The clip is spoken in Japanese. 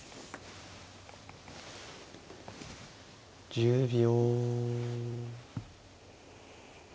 １０秒。